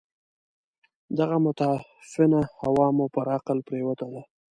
دغه متعفنه هوا مو پر عقل پرېوته ده.